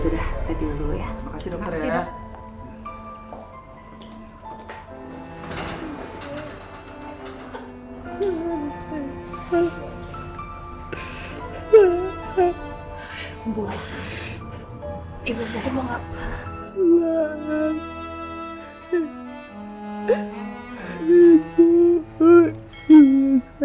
ya sudah saya pergi dulu ya